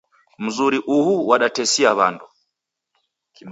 Mzuri uhuu wadatesia wandu.